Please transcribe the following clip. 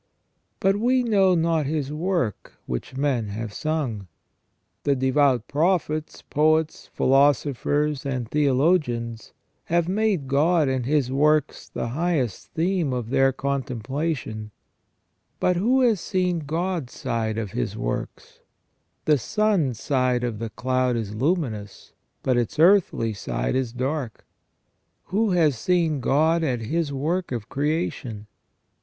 But " we know not His work, which men have sung ". The devout prophets, poets, philosophers ,'jxnd theologians have made God and His works the highest theme of their contemplation ; but WHY MAN WAS NOT CREATED PERFECT 253 who has seen God's side of His works ? The sun's side of the cloud is luminous, but its earthly side is dark. Who has seen God at His work of creation